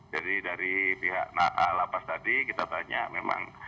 jadi dari pihak lapas tadi kita tanya memang